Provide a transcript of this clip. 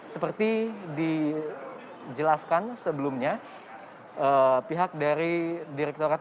seperti dijelaskan sebelumnya pihak dari direktorat tindak bidana ekonomi khusus